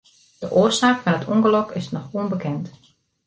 De oarsaak fan it ûngelok is noch ûnbekend.